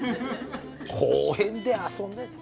公園で遊んでる。